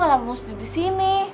gak mau tidur di sini